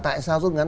tại sao rút ngắn